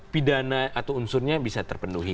pidana atau unsurnya bisa terpenuhi